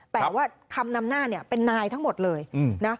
แต่ว่าคำนำหน้าเนี่ยเป็นนายทั้งหมดเลยนะ